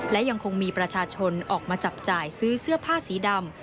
และยังคงมีประชาชนออกมาจับจ่ายซื้อเสื้อผ้าสีดำ